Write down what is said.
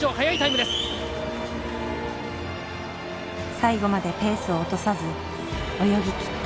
最後までペースを落とさず泳ぎ切った。